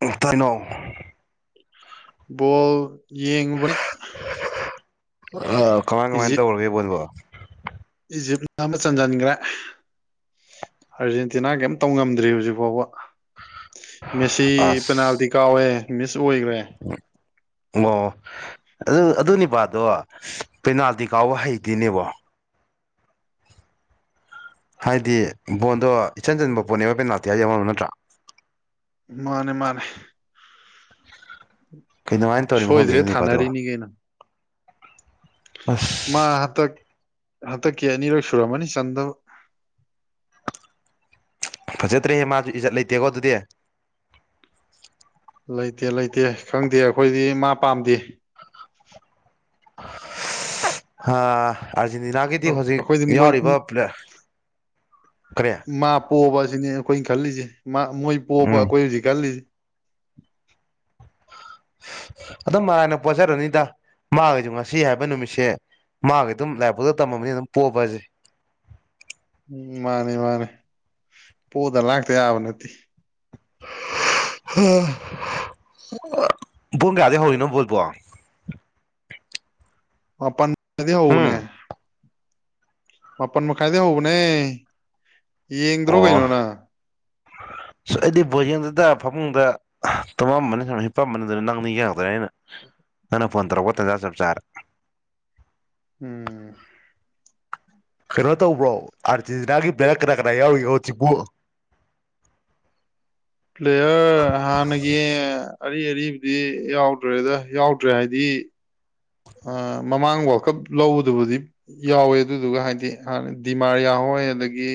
ꯑꯣꯣꯛ ꯇꯣꯏꯩꯅꯣ ꯕꯣꯜ ꯌꯦꯡꯉꯨꯕꯅꯤ ꯑ ꯀꯃꯥꯏ ꯀꯃꯥꯏꯅ ꯏꯖꯤꯞ ꯇꯧꯔꯒꯦꯕꯣꯗꯨꯕꯣ ꯏꯖꯤꯞꯅ ꯑꯃ ꯆꯟꯁꯤꯟꯈ꯭ꯔꯦ ꯑꯥꯔꯖꯦꯟꯇꯤꯅꯥ ꯀꯩꯝꯇꯧ ꯉꯝꯗ꯭ꯔꯤ ꯍꯧꯖꯤꯛ ꯐꯥꯎꯕ ꯃꯦꯁꯤ ꯑꯁ ꯄꯦꯅꯥꯜꯇꯤ ꯀꯥꯎꯋꯦ ꯃꯤꯁ ꯑꯣꯏꯈ꯭ꯔꯦ ꯑꯣ ꯑꯗꯨ ꯑꯗꯨꯅꯤ ꯗꯣ ꯄꯦꯅꯥꯜꯇꯤ ꯀꯥꯎꯕ ꯍꯩꯇꯅꯦꯕꯣ ꯍꯥꯏꯗꯤ ꯕꯣꯟꯗꯣ ꯏꯆꯟ ꯆꯟꯕ ꯄꯣꯠꯅꯦꯕ ꯄꯦꯅꯥꯇꯤꯌꯥ ꯌꯧꯍꯜꯕ ꯅꯠꯇ꯭ꯔꯥ ꯃꯥꯅꯦ ꯃꯥꯅꯦ ꯁꯣꯏꯗ꯭ꯔꯦ ꯊꯥꯅꯔꯤꯅꯤ ꯀꯩꯅꯪ ꯑ ꯃꯥ ꯍꯟꯇꯛ ꯍꯟꯇꯛꯀꯤ ꯑꯅꯤꯔꯛ ꯁꯨꯔꯝꯃꯅꯤ ꯆꯟꯗꯧ ꯐꯖꯗ꯭ꯔꯦꯍꯦ ꯃꯥꯁꯨ ꯏꯖꯠ ꯂꯩꯇꯦꯀꯣ ꯑꯗꯨꯗꯤ ꯂꯩꯇꯦ ꯂꯩꯇꯦ ꯈꯪꯗꯦ ꯑꯩꯈꯣꯏꯗꯤ ꯃꯥ ꯄꯥꯝꯗꯦ ꯑꯥ ꯑꯥꯔꯖꯦꯟꯇꯤꯅꯥꯒꯤꯗꯤ ꯍꯧꯖꯤꯛ ꯑꯩꯈꯣꯏꯗꯤ ꯃꯣꯏ ꯌꯥꯎꯔꯤꯕ ꯄ꯭ꯂꯦꯌꯥꯔ ꯀꯔꯤ ꯃꯥ ꯄꯣꯕ ꯑꯁꯤꯅꯤ ꯑꯩꯈꯣꯏꯅ ꯈꯜꯂꯤꯁꯦ ꯃꯣꯏ ꯄꯣꯕ ꯎꯝ ꯑꯩꯈꯣꯏ ꯍꯧꯖꯤꯛ ꯈꯜꯂꯤꯁꯦ ꯑꯗꯨꯝ ꯃꯔꯥꯏꯅ ꯄꯣꯠꯖꯔꯅꯤꯗ ꯃꯥꯒꯤꯁꯨ ꯉꯁꯤ ꯍꯥꯏꯕ ꯅꯨꯃꯤꯠꯁꯦ ꯃꯥꯒꯤ ꯑꯗꯨꯝ ꯂꯥꯏꯕꯛꯇꯥ ꯇꯝꯃꯝꯅꯤ ꯑꯗꯨꯝ ꯄꯣꯕ ꯍꯥꯏꯖꯦ ꯎꯝ ꯃꯥꯅꯦ ꯃꯥꯅꯦ ꯄꯣꯗ ꯂꯥꯛꯇ ꯌꯥꯕ ꯅꯠꯇꯦ ꯄꯨꯡ ꯀꯌꯥꯗꯒꯤ ꯍꯧꯔꯤꯅꯣ ꯕꯣꯜꯕꯣ ꯃꯄꯟ ꯃꯈꯥꯏꯗꯩ ꯍꯧꯕꯎꯅꯦ ꯎꯝ ꯃꯥꯄꯜ ꯃꯈꯥꯏꯗꯒꯤ ꯍꯧꯕꯅꯦ ꯌꯦꯡꯗ꯭ꯔꯣ ꯑꯣ ꯀꯩꯅꯣ ꯅꯪ ꯑꯁ ꯑꯩꯗꯤ ꯕꯣꯜ ꯌꯦꯡꯗꯦꯗ ꯐꯃꯨꯡꯗ ꯇꯣꯉꯝꯕꯅ ꯁꯨꯕ ꯍꯤꯄꯝꯕꯅꯦ ꯑꯗꯨ ꯅꯪꯗꯤ ꯌꯦꯡꯉꯛꯇ꯭ꯔꯦ ꯑꯩꯅ ꯅꯪꯅ ꯐꯣꯟ ꯇꯧꯔꯛꯄ ꯇꯟꯖꯥ ꯆꯞ ꯆꯥꯔꯦ ꯎꯝ ꯀꯩꯅꯣ ꯇꯧꯕ꯭ꯔꯣ ꯑꯥꯔꯖꯦꯟꯇꯤꯅꯥꯒꯤ ꯄ꯭ꯂꯦꯌꯔ ꯀꯅꯥ ꯀꯅꯥ ꯌꯥꯎꯔꯤꯒꯦ ꯍꯧꯖꯤꯛꯄꯨ ꯄ꯭ꯂꯦꯌꯔ ꯍꯥꯟꯅꯒꯤ ꯑꯔꯤ ꯑꯔꯤꯕꯗꯤ ꯌꯥꯎꯗ꯭ꯔꯦꯗ ꯌꯥꯎꯗ꯭ꯔꯦ ꯍꯥꯏꯗꯤ [inaudible] ꯑꯥ ꯃꯃꯥꯡ ꯋꯥꯜ ꯀꯞ ꯂꯧꯕꯗꯨꯕꯨꯗꯤ ꯌꯥꯎꯋꯦ ꯑꯗꯨꯗꯨꯒ ꯍꯥꯏꯗꯤ ꯍꯥꯟꯅ ꯗꯤꯃꯥꯔꯤꯌꯥ ꯍꯣꯏ ꯑꯗꯒꯤ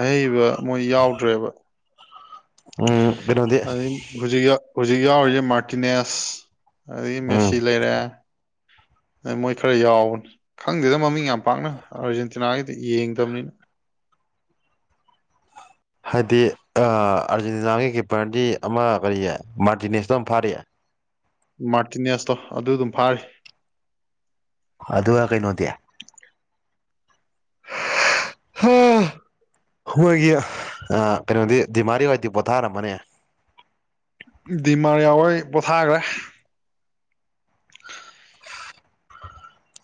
ꯑꯍꯩꯕ ꯃꯣꯏ ꯌꯥꯎꯗ꯭ꯔꯦꯕ ꯎꯝ ꯀꯩꯅꯣꯗꯤ ꯑꯗꯩ ꯍꯧꯖꯤꯛ ꯌꯥꯎ ꯍꯧꯖꯤꯛ ꯌꯥꯎꯔꯤꯖꯦ ꯃꯥꯔꯇꯤꯅꯦꯁ ꯑꯗꯒꯤ ꯎꯝ ꯃꯦꯁꯤ ꯂꯩꯔꯦ ꯑꯥ ꯃꯣꯏ ꯈꯔ ꯌꯥꯎꯕꯅꯤ ꯈꯪꯗꯦꯗ ꯃꯃꯤꯡ ꯌꯥꯝ ꯄꯥꯛꯅ ꯑꯥꯔꯖꯦꯟꯇꯤꯅꯥꯒꯤꯗꯤ ꯌꯦꯡꯗꯕꯅꯤꯅ ꯍꯥꯏꯗꯤ ꯑꯥꯔꯖꯦꯟꯇꯤꯅꯥꯒꯤ ꯀꯤꯞꯄꯔꯗꯤ ꯑꯃ ꯀꯔꯤꯌꯦ ꯃꯥꯔꯇꯤꯅꯦꯁꯇꯣ ꯑꯗꯨꯝ ꯐꯥꯔꯤ ꯃꯥꯔꯇꯤꯅꯦꯁꯇꯣ ꯑꯗꯨꯗꯨꯝ ꯐꯥꯔꯤ ꯑꯗꯨꯒ ꯀꯩꯩꯅꯣꯗꯤ [inaudible] ꯃꯣꯏꯒꯤ ꯀꯩꯅꯣꯗꯤ ꯗꯤꯃꯥꯔꯤꯌꯥꯗꯤ ꯄꯣꯊꯥꯔꯝꯃꯅꯤ ꯗꯤꯃꯥꯔꯌꯥꯍꯣꯏ ꯄꯣꯊꯥꯒ꯭ꯔꯦ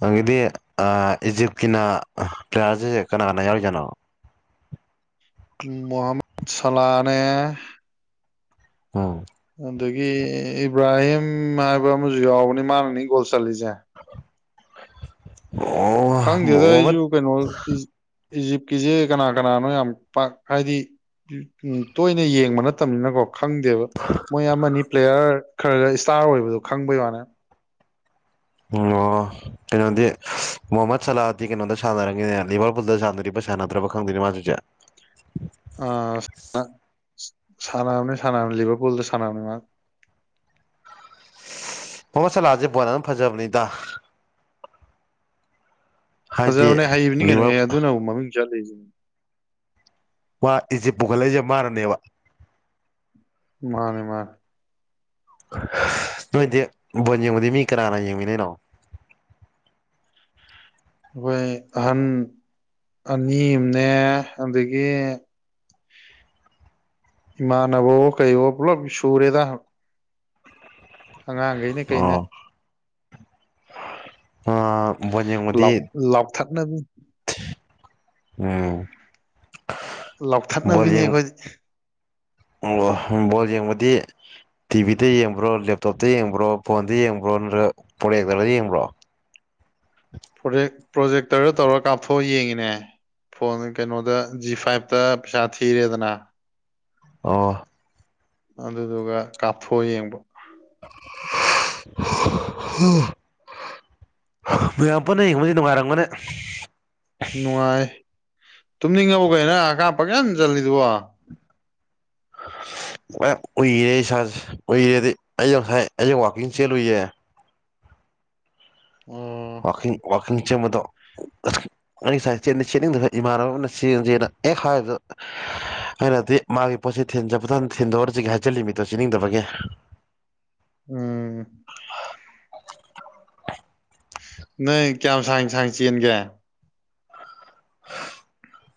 ꯑꯪꯒꯤꯗꯤ ꯑꯥ ꯏꯖꯤꯞꯀꯤꯅ ꯄ꯭ꯂꯦꯌꯥꯔꯖꯦ ꯀꯅꯥ ꯀꯅꯥ ꯌꯥꯎꯔꯤꯖꯥꯅꯣ ꯃꯣꯍꯃꯠ ꯁꯂꯥꯅꯦ ꯎꯝ ꯑꯗꯥꯒꯤ ꯏꯕ꯭ꯔꯥꯍꯤꯝ ꯍꯥꯏꯕꯔꯥ ꯑꯃꯖꯨ ꯌꯥꯎꯕꯅꯤ ꯃꯥꯅꯅꯤ ꯒꯣꯜ ꯆꯂꯤꯁꯦ ꯑꯣ ꯈꯪꯗꯦꯗ ꯃꯣꯍꯃꯠ ꯑꯩꯖꯨ ꯀꯩꯅꯣ ꯏꯖꯤ ꯏꯖꯤꯞꯀꯤꯖꯦ ꯀꯅꯥ ꯀꯅꯥꯅꯣ ꯌꯥꯝ ꯄꯥꯛ ꯍꯥꯏꯗꯤ ꯎꯝ ꯇꯣꯏꯅ ꯌꯦꯡꯕ ꯅꯠꯇꯕꯅꯤꯅꯀꯣ ꯈꯪꯗꯦꯕ ꯃꯣꯏ ꯑꯃꯅꯤ ꯄ꯭ꯂꯦꯌꯥꯔ ꯈꯔꯥ ꯒꯥ ꯏꯁꯇꯥꯔ ꯑꯣꯏꯕꯗꯣ ꯈꯪꯕꯩ ꯋꯥꯅꯦ ꯑꯣ ꯀꯩꯅꯣꯗꯤ ꯃꯨꯍꯃꯠ ꯁꯂꯥꯍꯗꯤ ꯀꯩꯅꯣꯝꯗ ꯁꯥꯟꯅꯔꯒꯅꯦ ꯂꯤꯚꯔ ꯄꯨꯜꯗ ꯁꯥꯟꯅꯔꯤꯕ ꯁꯥꯟꯅꯗ꯭ꯔꯕ ꯈꯪꯗꯦꯅꯦ ꯃꯥꯖꯤ ꯍꯧꯖꯤꯛ ꯑꯥ ꯁꯥꯟꯅꯕꯅꯤ ꯁꯥꯟꯅꯕꯅꯤ ꯂꯤꯕꯔ ꯄꯨꯜꯗ ꯁꯥꯟꯅꯕꯅꯤ ꯃꯥ ꯃꯣꯍꯃꯠ ꯁꯂꯥꯖꯦ ꯕꯣꯜ ꯑꯗꯨꯝ ꯐꯖꯕꯅꯤꯗ ꯍꯥꯏꯗꯤ ꯐꯖꯕꯅꯦ ꯍꯩꯕꯅꯤ ꯀꯩꯅꯣ ꯂꯤꯚꯔ ꯑꯦ ꯑꯗꯨꯅꯕꯨ ꯃꯃꯤꯡ ꯆꯠ ꯂꯩꯁꯤꯅꯦ ꯃꯥ ꯏꯖꯤꯞ ꯄꯨꯈꯠꯂꯛꯏꯖꯦ ꯃꯥꯅꯅꯦꯕ ꯃꯥꯅꯦ ꯃꯥꯅꯦ ꯅꯣꯏꯗꯤ ꯕꯣꯜ ꯌꯦꯡꯕꯗꯤ ꯃꯤ ꯀꯅꯥꯅ ꯌꯦꯡꯃꯤꯟꯅꯩꯅꯣ ꯑꯩꯈꯣꯏ ꯑꯍꯟ ꯑꯅꯤ ꯑꯃꯅꯦ ꯑꯗꯒꯤ ꯏꯃꯥꯅꯕꯋꯣ ꯀꯩꯋꯣ ꯄꯨꯂꯞ ꯁꯨꯔꯦꯗ ꯑꯉꯥꯡꯒꯩꯅꯦ ꯑꯣ ꯀꯩꯅꯦ ꯑ ꯕꯣꯜ ꯂꯥꯎ ꯌꯦꯡꯕꯗꯤ ꯂꯥꯎꯊꯠꯅꯕꯤꯅꯦ ꯎꯝ ꯕꯣꯜ ꯂꯧꯊꯠꯅꯕꯤꯅꯤ ꯌꯦꯡ ꯑꯩꯈꯣꯏꯗꯤ ꯑꯣ ꯕꯣꯜ ꯌꯦꯡꯕꯗꯤ ꯇꯤꯕꯤꯗ ꯌꯦꯡꯕ꯭ꯔꯣ ꯂꯦꯞꯇꯣꯞꯇ ꯌꯦꯡꯕ꯭ꯔꯣ ꯐꯣꯟꯗ ꯌꯦꯡꯕ꯭ꯔꯣ ꯅꯠꯇ꯭ꯔꯒ ꯄꯣꯖꯦꯛꯇꯔꯒ ꯌꯦꯡꯕ꯭ꯔꯣ ꯭ꯄ꯭ꯔꯣꯖꯦꯛꯇꯔꯗ ꯇꯧꯔ ꯀꯥꯞꯊꯣꯛꯑ ꯌꯦꯡꯉꯤꯅꯦ ꯐꯣꯟ ꯀꯩꯅꯣꯗ ꯖꯤ ꯐꯥꯏꯞꯇ ꯄꯩꯁꯥ ꯊꯤꯔꯦꯗꯅ ꯑꯣ ꯑꯗꯨꯗꯨꯒ ꯀꯥꯞꯊꯣꯛ ꯌꯦꯡꯕ ꯎꯝ [unintelligible] ꯃꯌꯥꯝ ꯄꯨꯟꯅ ꯌꯦꯡꯕꯗꯤ ꯅꯨꯡꯉꯥꯏꯔꯝꯒꯅꯦ ꯅꯨꯡꯉꯥꯏ ꯇꯨꯝꯅꯤꯡꯉꯕꯣ ꯑꯀꯥꯞ ꯄꯪꯆꯟ ꯆꯟꯂꯤꯗꯨꯕꯣ ꯎꯏꯔꯦ ꯏꯁꯥꯁꯦ ꯎꯏꯔꯦꯗꯤ ꯑꯩ ꯉꯁꯥꯏ ꯑꯌꯨꯡ ꯋꯥꯛꯀꯤꯡ ꯆꯦꯜꯂꯨꯏꯌꯦ ꯑꯣ ꯋꯥꯀꯤꯡ ꯋꯥꯀꯤꯡ ꯆꯦꯟꯕꯗꯣ ꯃꯗꯨꯒꯤ ꯑꯩ ꯉꯁꯥꯏ ꯆꯦꯟꯗꯤ ꯆꯦꯟꯅꯤꯡꯗꯕꯥ ꯏꯃꯥꯟꯅꯕ ꯑꯃꯅ ꯆꯦꯟꯁꯦꯅ ꯑꯦ ꯍꯥꯏꯗ ꯑꯩꯅꯗꯤ ꯃꯥꯒꯤ ꯄꯣꯠꯁꯤ ꯊꯤꯟ ꯆꯠꯄꯗꯣ ꯊꯤꯟꯗꯣꯛꯎꯔꯁꯤꯒ ꯍꯥꯏꯖꯤꯜꯂꯤ ꯃꯤꯗꯣ ꯆꯦꯟꯅꯤꯡꯗꯕꯒꯤ ꯎꯝ ꯅꯣꯏ ꯀꯌꯥꯝ ꯁꯥꯡ ꯁꯥꯡ ꯆꯦꯟꯒꯦ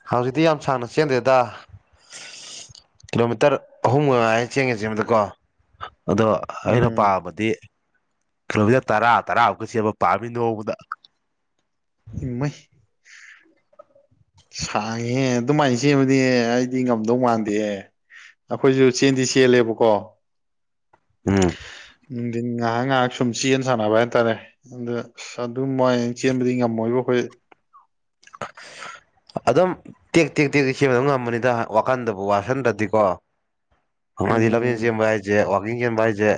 ꯍꯧꯖꯤꯛꯇꯤ ꯌꯥꯝ ꯁꯥꯡꯅ ꯆꯦꯟꯗꯦꯗ ꯀꯤꯂꯣꯃꯤꯇꯔ ꯑꯍꯨꯝꯒꯥꯏ ꯆꯦꯡꯒꯦ ꯆꯦꯟꯕꯗꯀꯣ ꯑꯗꯣ ꯑꯩꯅ ꯎꯝ ꯄꯥꯝꯕꯗꯤ ꯀꯤꯂꯣꯃꯤꯇꯔ ꯇꯔꯥ ꯇꯔꯥꯃꯨꯛꯀ ꯆꯦꯟꯕ ꯄꯥꯝꯃꯤ ꯅꯣꯡꯃꯗ ꯃꯩ ꯁꯥꯡꯉꯦ ꯑꯗꯨꯃꯥꯏꯅ ꯆꯦꯟꯕꯗꯤ ꯑꯩꯗꯤ ꯉꯝꯗꯧ ꯃꯥꯟꯗꯦꯍꯦ ꯑꯩꯈꯣꯏꯁꯨ ꯆꯦꯟꯗꯤ ꯆꯦꯟꯂꯦꯕꯀꯣ ꯎꯝ ꯅꯨꯡꯗꯤꯟ ꯉꯥꯏꯍꯥꯛ ꯉꯥꯏꯍꯥꯛ ꯁꯨꯝ ꯆꯦꯟ ꯁꯥꯟꯅꯕ ꯍꯥꯏꯇꯥꯔꯦ ꯑꯗ ꯑꯗꯨ ꯃꯥꯏ ꯆꯦꯟꯕꯗꯤ ꯉꯝꯃꯣꯏꯕ ꯑꯩꯈꯣꯏ ꯑ [unintelligible] ꯑꯗꯨꯝ ꯇꯦꯛ ꯇꯦꯛ ꯇꯦꯛ ꯇꯦꯛ ꯁꯦꯝꯕ ꯑꯗꯨꯝ ꯉꯝꯕꯅꯤꯗ ꯋꯥꯈꯟꯗꯕꯨ ꯋꯥꯁꯟꯗ꯭ꯔꯗꯤꯀꯣ ꯑꯉꯥꯡꯗꯤ ꯂꯝꯖꯦꯟ ꯎꯝ ꯆꯦꯟꯕ ꯍꯥꯏꯁꯦ ꯋꯥꯛꯀꯤꯡ ꯆꯦꯟꯕ ꯍꯥꯏꯁꯦ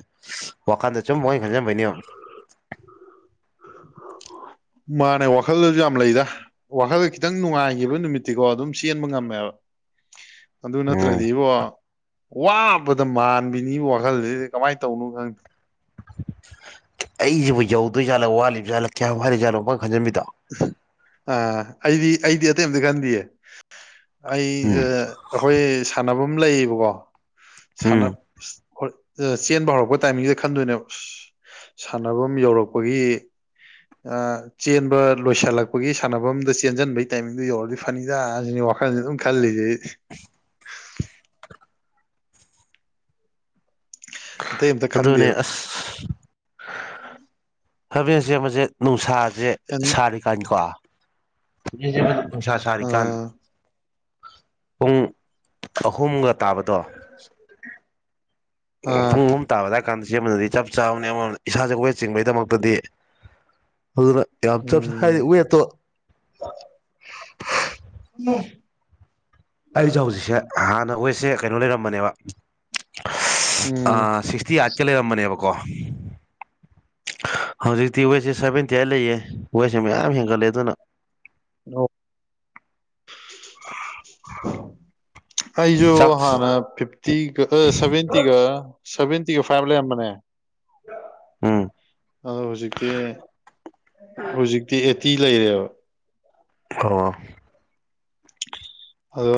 ꯋꯥꯈꯥꯟꯗ ꯁꯨꯝ ꯃꯅ ꯈꯟꯖꯟꯕꯩꯅꯦꯕ [inaudible] [unintelligible] ꯃꯥꯅꯦ ꯋꯥꯈꯜꯗꯁꯨ ꯌꯥꯝ ꯂꯩꯗ ꯋꯥꯈꯜꯗ ꯈꯤꯇꯪ ꯅꯨꯡꯉꯥꯏꯈꯤꯕ ꯅꯨꯃꯤꯠꯇꯤꯀꯣ ꯑꯗꯨꯝ ꯆꯦꯟꯕ ꯉꯝꯃꯦꯕ [unintelligible] ꯑꯗꯨ ꯎꯝ ꯅꯠꯇ꯭ꯔꯗꯤ ꯏꯕꯣ ꯋꯥꯕꯗ ꯃꯥꯟꯕꯤꯅꯤ ꯋꯥꯈꯜꯁꯤꯗꯤ ꯀꯃꯥꯏꯅ ꯇꯧꯅꯣ ꯈꯪꯗꯦ ꯑꯩꯁꯤꯕꯨ ꯌꯧꯗꯣꯏ ꯖꯥꯠꯂꯥ ꯋꯥꯠꯂꯤꯕꯖꯥꯠꯂꯥ ꯀꯌꯥꯝ ꯋꯥꯠꯖꯥꯠꯅꯤ ꯄꯪꯈꯟꯈꯟꯖꯟꯕꯤꯗꯣ ꯑ ꯑꯩꯗꯤ ꯑꯩꯗꯤ ꯑꯇꯩ ꯑꯝꯇ ꯈꯟꯗꯤꯌꯦ ꯑꯩ ꯎꯝ ꯑꯩꯈꯣꯏ ꯁꯥꯟꯅꯕꯝ ꯂꯩꯌꯦꯕꯀꯣ ꯍ ꯎꯝ ꯆꯦꯟꯕ ꯍꯧꯔꯛꯄ ꯇꯥꯏꯃꯤꯡꯁꯤꯗ ꯈꯟꯗꯣꯏꯅꯦꯕ ꯁꯥꯟꯅꯐꯝ ꯌꯧꯔꯛꯄꯒꯤ ꯑ ꯆꯦꯟꯕ ꯂꯣꯏꯁꯤꯜꯂꯛꯄꯒꯤ ꯁꯥꯟꯅꯐꯝꯗ ꯆꯦꯟꯖꯟꯕꯒꯤ ꯇꯥꯏꯃꯤꯡꯗꯨ ꯌꯧꯔꯗꯤ ꯐꯅꯤꯗ ꯑꯁꯤꯅꯤ ꯋꯥꯈꯜꯁꯦ ꯑꯗꯨꯝ ꯈꯜꯂꯤꯁꯦ ꯑ [unintelligible] ꯑꯇꯩ ꯑꯝꯇ ꯑꯗꯨꯅꯦ ꯈꯟꯗꯦꯕ ꯑꯁ ꯂꯝꯖꯦꯜ ꯆꯦꯟꯕꯁꯦ ꯅꯨꯡꯁꯥꯥꯁꯦ ꯑꯦꯟ ꯁꯔꯤꯀꯟ ꯀꯣ ꯅꯨꯡꯁꯥꯔꯤꯀꯟ ꯑꯥ ꯄꯨꯡ ꯑꯍꯨꯝꯒ ꯇꯥꯕꯗꯣ ꯑꯥ ꯄꯨꯡ ꯑꯍꯨꯝ ꯇꯥꯕꯗꯏ ꯀꯥꯟꯗ ꯆꯕꯗꯗꯤ ꯆꯞ ꯆꯥꯕꯅꯤ ꯑꯃꯔꯣꯝꯗ ꯏꯁꯥꯁꯦ ꯋꯦꯠ ꯆꯤꯡꯕꯒꯤꯗꯃꯛꯇꯗꯤ ꯑꯗꯨꯅ ꯌꯥꯝ ꯆꯞ ꯍꯥꯏꯗꯤ ꯎꯝ ꯋꯦꯠꯇꯣ ꯑꯩꯁꯦ ꯍꯧꯖꯤꯛꯁꯦ ꯍꯥꯟꯅ ꯋꯦꯠ ꯀꯩꯅꯣ ꯂꯩꯔꯝꯕꯅꯦꯕ ꯎꯝ ꯁꯤꯛꯁꯇꯤ ꯑꯥꯏꯠ ꯂꯩꯔꯝꯕꯅꯦꯀꯣ ꯍꯧꯖꯤꯛꯇꯤ ꯋꯦꯠꯁꯦ ꯁꯚꯦꯟꯇꯤ ꯑꯥꯏꯠ ꯂꯩꯌꯦ ꯋꯦꯠꯁꯦ ꯃꯌꯥꯝ ꯍꯦꯟꯒꯠꯂꯦ ꯑꯗꯨꯅ ꯑꯣ ꯑꯩꯖꯨ ꯆꯥꯛ ꯍꯥꯟꯅ ꯐꯤꯠ ꯇꯤꯒ ꯑꯁ ꯁꯚꯦꯟꯇꯤꯒ ꯁꯚꯦꯟꯇꯤꯒ ꯐꯥꯏꯞ ꯂꯩꯔꯝꯕꯅꯦ ꯎꯝ ꯑ ꯍꯧꯖꯤꯛꯇꯤ ꯍꯧꯖꯤꯛꯇꯤ ꯑꯦ ꯇꯤ ꯂꯩꯔꯦꯕ ꯐꯋꯣ ꯑꯗꯣ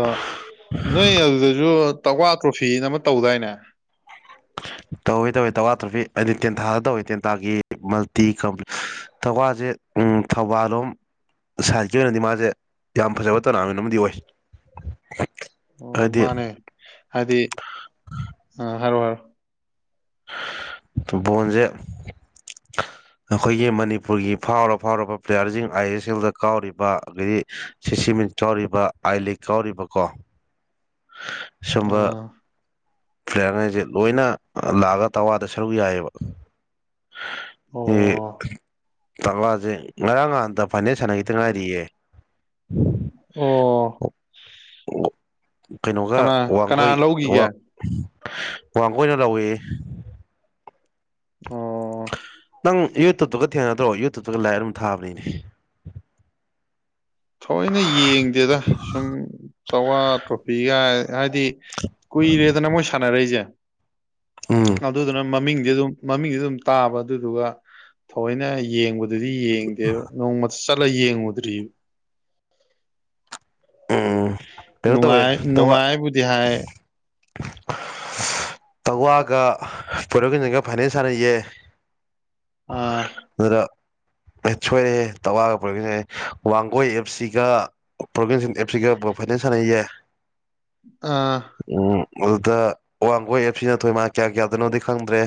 ꯅꯣꯏ ꯑꯗꯨꯗꯁꯨ ꯇꯛꯋꯥ ꯇ꯭ꯔꯣꯐꯤ ꯑꯅ ꯑꯃ ꯇꯧꯗꯥꯏꯅꯦ ꯇꯧꯏ ꯇꯧꯏ ꯇꯧꯋꯥ ꯇꯣꯐꯔꯤ ꯍꯥꯏꯗꯤ ꯇꯦꯟꯊꯥꯗ ꯇꯧꯏ ꯇꯦꯟ ꯊꯥꯒꯤ ꯃꯜꯇꯤ ꯀꯝꯄꯥꯅꯤ ꯇꯜꯋꯥꯁꯦ ꯑꯝ ꯊꯧꯕꯥꯜꯂꯣꯝ ꯁꯥꯏꯠꯀꯤ ꯑꯣꯏꯅꯗꯤ ꯃꯥꯁꯦ ꯌꯥꯝ ꯐꯖꯕ ꯇꯣꯔꯅꯥꯃꯦꯟ ꯑꯃꯗꯤ ꯑꯣꯏ ꯑꯣ ꯍꯥꯏꯗꯤ ꯃꯥꯅꯦ ꯍꯥꯏꯗꯤ ꯑ ꯍꯥꯏꯔꯣ ꯍꯥꯏꯔꯣ ꯄꯨꯠꯕꯣꯜ ꯁꯦ ꯑꯩꯈꯣꯏꯒꯤ ꯃꯅꯤꯄꯨꯔꯒꯤ ꯐꯥꯎꯔ ꯐꯥꯎꯔꯕ ꯄ꯭ꯂꯦꯌꯥꯔꯁꯤꯡ ꯑꯥꯏ ꯑꯦꯁ ꯑꯦꯜꯗ ꯀꯥꯎꯔꯤꯕ ꯑꯗꯩ ꯁꯤ ꯁꯤꯃꯤꯟ ꯆꯥꯎꯔꯤꯕ ꯑꯥꯏ ꯂꯤꯛ ꯀꯥꯎꯔꯤꯕꯀꯣ [unintelligible] ꯑꯣ ꯄ꯭ꯂꯦꯌꯥꯔ ꯉꯩꯁꯦ ꯂꯣꯏꯅ ꯂꯥꯛꯑꯒ ꯇꯋꯥꯗ ꯁꯔꯨꯛ ꯌꯥꯏꯑꯦꯕ ꯑꯣ ꯑꯦ ꯇꯛꯂꯥꯁꯦ ꯉꯔꯥꯡ ꯉꯍꯥꯟꯗ ꯐꯥꯏꯅꯦꯟꯁ ꯁꯥꯟꯅꯈꯤꯇ ꯉꯥꯏꯔꯤꯌꯦ ꯑꯣ ꯀꯩꯅꯣꯒ ꯀꯅꯥ ꯀꯅꯥ ꯋꯥꯡꯒꯣꯏ ꯂꯧꯈꯤꯒꯦ ꯋꯥꯡꯒꯣꯏꯅ ꯂꯧꯋꯦꯌꯦ ꯑꯣ ꯅꯪ ꯌꯨꯇꯨꯞꯇꯨꯒ ꯊꯦꯡꯅꯗ꯭ꯔꯣ ꯌꯨꯇꯨꯞꯇꯒ ꯂꯥꯏꯞ ꯑꯗꯨꯝ ꯊꯥꯕꯅꯤꯅꯦ ꯊꯑꯣꯏꯅ ꯌꯦꯡꯗꯦꯗ ꯁꯨꯝ ꯇꯋꯥ ꯇꯔꯣꯄꯤꯒꯥꯏ ꯍꯥꯏꯗꯤ ꯀꯨꯏꯔꯦꯗꯅ ꯃꯣꯏ ꯁꯥꯟꯅꯔꯛꯏꯁꯦ ꯎꯝ ꯑꯗꯨꯗꯨꯅ ꯃꯃꯤꯡꯗꯤ ꯑꯗꯨꯝ ꯃꯃꯤꯡꯗꯤ ꯑꯗꯨꯝ ꯇꯥꯕ ꯑꯗꯨꯗꯨꯒ ꯊꯑꯣꯏꯅ ꯌꯦꯡꯕꯗ ꯑꯗꯨꯗꯤ ꯌꯦꯡꯗꯦꯕ ꯅꯣꯡꯃꯇ ꯆꯠꯂ ꯌꯦꯡꯉꯨꯗ꯭ꯔꯤꯕ ꯎꯝ ꯀꯩꯅꯣ ꯇꯧꯋꯦ ꯅꯨꯡꯉꯥꯏ ꯇꯋꯥ ꯅꯨꯡꯉꯥꯏꯕꯨꯗꯤ ꯍꯥꯏꯌꯦ ꯇꯋꯥꯒ ꯄꯨꯔꯛꯈꯣꯟꯖꯤꯟꯒ ꯐꯥꯏꯅꯦꯜ ꯁꯥꯟꯅꯩꯌꯦ ꯑ ꯑꯗꯨꯗ ꯁꯣꯏꯔꯦꯍꯦ ꯇꯧꯋꯥꯒ ꯄꯨꯔꯈꯣꯟꯖꯤꯟꯒ ꯌꯦ ꯋꯥꯡꯒꯣꯏ ꯑꯦꯞ ꯁꯤꯒ [unintelligible] ꯑꯥ ꯎꯝ ꯑꯗꯨꯗ ꯋꯥꯡꯒꯣꯏ ꯑꯦꯞꯁꯤꯅ ꯊꯣꯏꯃꯥꯅꯦ ꯀꯌꯥ ꯀꯌꯥꯗꯅꯣꯗꯤ ꯈꯪꯗ꯭ꯔꯦ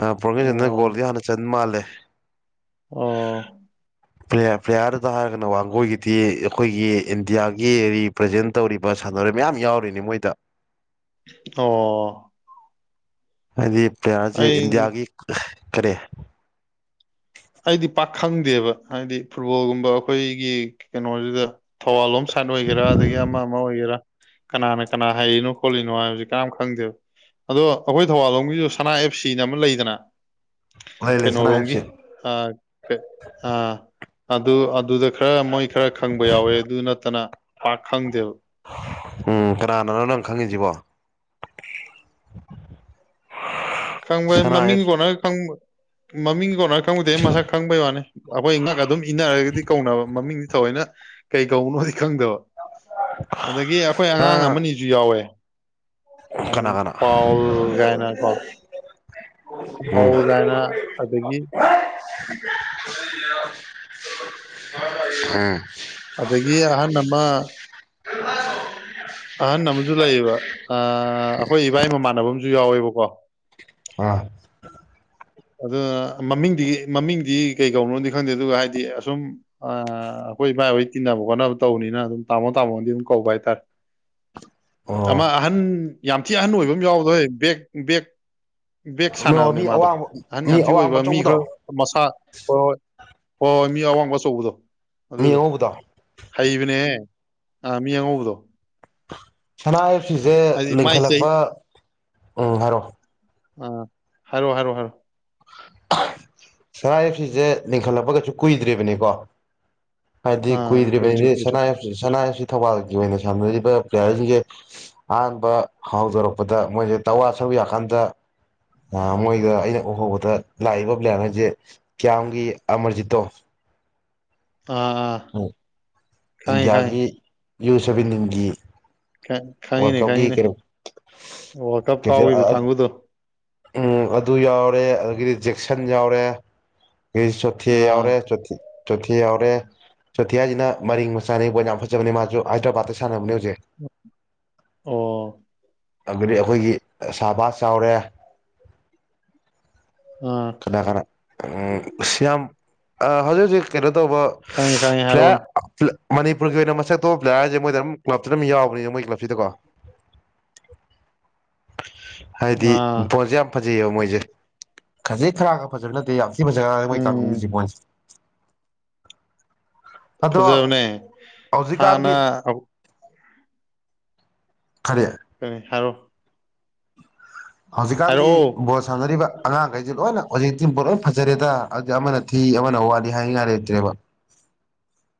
ꯑꯥ ꯄ꯭ꯔꯣꯕꯦꯁꯟꯅ ꯑꯣ ꯒꯣꯜꯗ ꯍꯥꯟꯅ ꯆꯟ ꯃꯥꯜꯂꯦ ꯑꯣ ꯭ꯄ꯭ꯂꯦꯋꯔ ꯄ꯭ꯂꯦꯋꯔꯗ ꯍꯥꯏꯔꯒꯅ ꯋꯥꯡꯒꯣꯏꯒꯤꯗꯤ ꯑꯩꯈꯣꯏꯒꯤ ꯏꯟꯗꯤꯌꯒꯤ ꯔꯤꯄ꯭ꯔꯖꯦꯟ ꯇꯧꯔꯤꯕ ꯁꯥꯟꯅꯔꯣꯏ ꯃꯌꯥꯝ ꯌꯎꯔꯤꯅꯤ ꯃꯣꯏꯗ ꯑꯣ ꯍꯥꯏꯗꯤ ꯄ꯭ꯂꯦꯋꯔꯁꯦ ꯑꯩ ꯏꯟꯗꯤꯌꯥꯒꯤ ꯀꯔꯤ ꯑꯩꯗꯤ ꯄꯥꯛꯈꯪꯗꯦꯕ ꯍꯥꯏꯗꯤ ꯐꯨꯠꯕꯣꯜꯒꯨꯝꯕ ꯑꯩꯈꯣꯏꯒꯤ ꯀꯩꯅꯣꯁꯤꯗ ꯊꯧꯕꯥꯜ ꯂꯣꯝ ꯁꯥꯏꯠ ꯑꯣꯏꯒꯦꯔ ꯑꯗꯒꯤ ꯑꯃ ꯑꯃ ꯑꯣꯏꯒꯦꯔ ꯀꯅꯥꯅ ꯀꯅꯥ ꯍꯩꯔꯤꯅꯣ ꯈꯣꯠꯂꯤꯅꯣ ꯍꯥꯏꯕꯕꯁꯤ ꯀꯅꯥꯝ ꯈꯪꯗꯦꯕ ꯑꯗꯣ ꯑꯩꯈꯣꯏ ꯊꯧꯕꯥꯜ ꯂꯣꯝꯒꯤꯁꯨ ꯁꯅ ꯑꯦꯞ ꯁꯤꯅ ꯑꯃ ꯂꯩꯗꯅ ꯂꯩ ꯂꯩ ꯁꯅ ꯑꯦꯞ ꯀꯩꯅꯣꯔꯣꯝꯒꯤ ꯁꯤ ꯑꯥ [unintelligible] ꯑꯥ ꯑꯗꯨ ꯑꯗꯨꯗ ꯈꯔ ꯃꯣꯏ ꯈꯔ ꯈꯪꯕ ꯌꯥꯎꯋꯦ ꯑꯗꯨ ꯅꯠꯇꯅ ꯄꯥꯛ ꯈꯪꯗꯦꯕ ꯎꯝ ꯀꯅꯥꯅꯅꯣ ꯅꯪ ꯈꯪꯉꯤꯁꯤꯕꯣ [inaudible] ꯈꯪꯕ ꯁꯅꯥ ꯃꯃꯤꯡ ꯑꯦꯞꯁ ꯀꯣꯅ ꯈꯪ ꯃꯃꯤꯡ ꯀꯣꯟꯅ ꯈꯪꯉꯨꯗꯦꯍꯦ ꯃꯁꯛ ꯈꯪꯕꯩ ꯋꯅꯤ ꯑꯩꯈꯣꯏ ꯉꯛ ꯑꯗꯨꯝ ꯏꯟꯅꯔꯒꯗꯤ ꯀꯧꯅꯕ ꯃꯃꯤꯡꯗꯤ ꯊꯑꯣꯏꯅ ꯀꯩ ꯀꯧꯕꯅꯣꯗꯤ ꯈꯪꯗꯕ ꯑꯗꯒꯤ ꯑꯩꯈꯣꯏ ꯑꯉꯥꯡ ꯑ ꯑꯃꯅꯤꯁꯨ ꯌꯎꯋꯦ ꯀꯅꯥ ꯀꯅꯥ ꯄꯥꯎꯜ ꯒꯥꯢꯅꯀꯣ ꯄꯥꯎ ꯎꯝ ꯀꯥꯏꯅ ꯑꯗꯒꯤ [inaudible] ꯎꯝ ꯑꯗꯒꯤ ꯑꯍꯟ ꯑꯃ ꯑꯍꯟ ꯑꯃꯁꯨ ꯂꯩꯌꯦꯕ ꯑ ꯑꯩꯈꯣꯏ ꯏꯕꯥꯏ ꯃꯃꯥꯟꯅꯕ ꯑꯃꯁꯨ ꯌꯥꯎꯋꯦꯕꯀꯣ ꯑꯥ ꯑꯗꯨꯅ ꯃꯃꯤꯡꯗꯤ ꯃꯃꯤꯡꯗꯤ ꯀꯩ ꯀꯧꯅꯣꯗꯤ ꯈꯪꯗꯦ ꯑꯗꯨꯒ ꯍꯥꯏꯗꯤ ꯑꯁꯨꯝ ꯑ ꯑꯩꯈꯣꯏ ꯏꯕꯥꯏ ꯍꯣꯏ ꯇꯤꯟꯅꯕ ꯈꯣꯠꯅꯕ ꯇꯧꯕꯅꯤꯅ ꯑꯗꯨꯝ ꯇꯥꯃꯣ ꯇꯥꯃꯣꯕꯨꯗꯤ ꯑꯗꯨꯝ ꯀꯧꯕ ꯍꯥꯏꯇꯔꯦ [inaudible] ꯑꯃ ꯑꯣ ꯑꯍꯟ ꯌꯥꯝ ꯊꯤ ꯑꯍꯟ ꯑꯣꯏꯕ ꯑꯃ ꯌꯥꯎꯕꯗꯣ ꯍꯣꯏ ꯕꯦꯛ ꯕꯦꯛ ꯕꯦꯛ ꯁꯥꯟꯅꯕꯅꯦ ꯃꯤ ꯃꯥꯗꯣ ꯑꯋꯥꯡꯕ ꯑꯍꯟ ꯌꯥꯝ ꯃꯤ ꯊꯤ ꯑꯣꯏꯕ ꯑꯋꯥꯡꯕ ꯃꯤ ꯈꯔ ꯑꯆꯧꯕꯗꯣ ꯃꯁꯥ [inaudible] ꯃꯤ ꯑꯋꯥꯡꯕ ꯑꯆꯧꯕꯗꯣ ꯃꯤ ꯑꯗꯨꯗꯣ ꯑꯉꯧꯕꯗꯣ ꯍꯩꯕꯅꯦꯍꯦ ꯑꯥ ꯃꯤ ꯑꯉꯧꯕꯗꯣ ꯁꯅꯥ ꯑꯞꯁꯤꯁꯦ ꯍꯥꯏꯗꯤ ꯃꯥꯏ ꯆꯍꯤ ꯂꯤꯡꯈꯠꯂꯛꯄ ꯎꯝ ꯍꯥꯏꯔꯣ ꯎꯝ ꯍꯥꯏꯔꯣ ꯍꯥꯏꯔꯣ ꯍꯥꯏꯔꯣ ꯁꯅꯥ ꯑꯞꯁꯤꯁꯦ ꯂꯤꯡꯈꯠꯂꯛꯄꯀꯩꯁꯨ ꯀꯨꯏꯗ꯭ꯔꯤꯕꯅꯤꯀꯣ ꯍꯥꯏꯗꯤ ꯑꯥ ꯀꯨꯏꯗ꯭ꯔꯤ ꯀꯨꯏꯗ꯭ꯔꯤꯕꯅꯤꯗꯤ ꯀꯨꯏꯗ꯭ꯔꯤ ꯁꯅꯥꯑꯞꯁꯤ ꯊꯧꯕꯥꯜꯒꯤ ꯑꯣꯏꯅ ꯁꯥꯟꯅꯔꯤꯕ ꯄ꯭ꯂꯦꯋꯔꯁꯤꯡꯁꯦ ꯑꯍꯥꯟꯕ ꯍꯧꯗꯣꯔꯛꯄꯗ ꯃꯣꯏꯁꯦ [unintelligible] ꯉꯍꯟꯃꯨꯛ ꯑꯩꯒ ꯑꯩꯅ ꯎꯍꯧꯕꯗ ꯂꯥꯛꯏꯕ ꯄ꯭ꯂꯦꯋꯔꯖꯦ ꯀꯤꯌꯥꯝꯒꯤ ꯑꯃꯔꯖꯤꯠꯇꯣ ꯑꯥ ꯈꯪꯉꯦ ꯏꯟꯗꯤꯌꯒꯤ ꯌ꯭ꯨ ꯁꯚꯦꯟꯇꯤꯟꯒꯤ ꯋꯥꯔꯜ ꯈꯪꯉꯤꯅꯦ ꯀꯞꯀꯤ ꯈꯪꯉꯤꯅꯦ ꯀꯩꯅꯣ ꯋꯥꯜꯀꯥꯂꯕ ꯀꯦꯞꯇꯦꯟ ꯀꯥꯎꯏꯕ ꯀꯥꯡꯕꯨꯗꯣ ꯎꯝ ꯑꯗꯨ ꯌꯎꯔꯦ ꯑꯗꯒꯤꯗꯤ ꯖꯦꯛꯁꯟ ꯌꯎꯔꯦ [unintelligible] ꯆꯣꯊꯦ ꯑꯥ ꯌꯎꯔꯦ ꯆꯣꯊꯦ ꯍꯥꯏꯁꯤꯅ ꯃꯔꯤꯡ ꯃꯆꯥꯅꯤ ꯕꯣꯜ ꯌꯥꯝ ꯐꯖꯕꯅꯦ ꯃꯥꯁꯨ ꯍꯥꯏꯗ꯭ꯔꯕꯥꯠꯇ ꯁꯥꯟꯅꯕꯅꯦ ꯍꯧꯖꯤꯛ ꯑꯣ ꯑꯗꯒꯤ ꯑꯩꯈꯣꯏꯒꯤ ꯑꯁꯥꯕꯥꯁ ꯌꯎꯔꯦ ꯑꯥ ꯀꯅꯥ ꯀꯅꯥ ꯁꯤ ꯌꯥꯝ ꯍꯧꯖꯤꯛ ꯍꯧꯖꯤꯛ ꯀꯩꯅꯣ ꯇꯧꯕ ꯈꯪꯉꯦ ꯈꯪꯉꯦ ꯄꯥꯏ ꯍꯥꯏꯔꯛꯑꯣꯅꯦ ꯃꯅꯤꯄꯨꯔꯒꯤ ꯑꯣꯏꯅ ꯃꯁꯛ ꯊꯣꯛꯄ ꯄ꯭ꯂꯦꯌꯥꯔ ꯁꯦ ꯃꯣꯏꯗ ꯑꯗꯨꯝ ꯀ꯭ꯂꯞꯇ ꯑꯗꯨꯝ ꯌꯥꯎꯕꯅꯦꯅ ꯃꯣꯏ ꯀ꯭ꯂꯕꯁꯤꯗꯀꯣ ꯍꯥꯏꯗꯤ ꯑꯥ ꯕꯣꯟꯁꯦ ꯌꯥꯝ ꯐꯖꯩꯑꯕ ꯃꯣꯏꯁꯦ ꯈꯖꯤ ꯈꯔꯒ ꯐꯖꯕ ꯅꯠꯇꯦ ꯎꯝ ꯌꯥꯝ [unintelligible] ꯑꯗꯣ ꯐꯖꯕꯅꯦ ꯍꯧꯖꯤꯛꯀꯥꯟꯗꯤ ꯍꯥꯟꯅ ꯑꯧ ꯈꯔꯦ ꯀꯔꯤ ꯍꯥꯏꯔꯣ ꯍꯧꯖꯤꯛꯀꯥꯟꯗꯤ ꯍꯥꯏꯔꯛꯑꯣ ꯕꯣꯜ ꯁꯥꯟꯅꯔꯤꯕ ꯑꯉꯥꯡꯈꯩꯁꯦ ꯂꯣꯏꯅ ꯍꯧꯖꯤꯛꯇꯤ ꯕꯣꯟ ꯂꯣꯏꯅ ꯐꯖꯔꯦꯗ ꯑꯗꯨ ꯑꯃꯅ ꯊꯤ ꯑꯃꯅ ꯋꯥꯠꯂꯤ ꯍꯥꯏꯅꯤꯡꯉꯥꯏ ꯂꯩꯇ꯭ꯔꯦꯕ